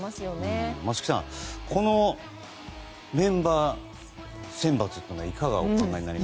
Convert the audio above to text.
松木さん、このメンバー選抜はいかがですか？